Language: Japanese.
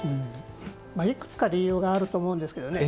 いくつか理由があると思うんですけどね